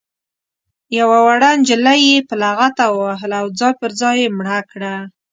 یوه وړه نجلۍ یې په لغته ووهله او ځای پر ځای یې مړه کړه.